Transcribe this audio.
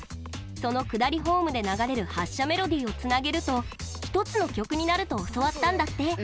その下りホームで流れる発車メロディーをつなげると１つの曲になると教わったんだって。